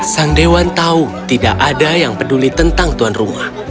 sang dewan tahu tidak ada yang peduli tentang tuan rumah